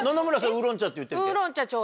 ウーロン茶って言ってみて。